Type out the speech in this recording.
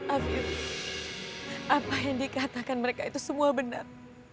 apa yang dikatakan mereka itu semua benar